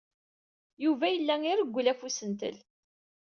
Yuba yella irewwel ɣef usentel.